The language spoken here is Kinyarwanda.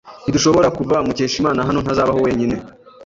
Ntidushobora kuva Mukeshimana hano. Ntazabaho wenyine.